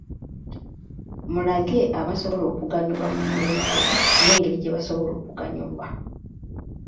Mulage abasobola okuganyulwa mu mulimu guno n’engeri gye basobola okuganyulwa.